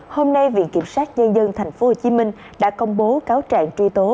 hôm nay viện kiểm sát nhân dân tp hcm đã công bố cáo trạng truy tố